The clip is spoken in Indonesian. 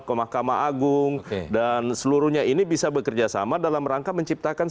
komisi judisial komakama agung dan seluruhnya ini bisa bekerja sama dalam rangka menciptakan